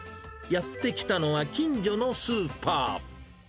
やって来たのは近所のスーパー。